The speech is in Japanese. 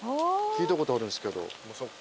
聞いたことあるんですけど。